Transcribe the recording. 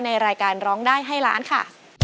ในรายการร้องได้ให้ล้านค่ะ